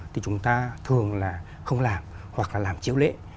thì chúng ta thường là không làm hoặc là làm chiếu lễ